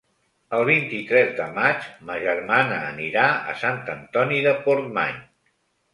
El vint-i-tres de maig ma germana anirà a Sant Antoni de Portmany.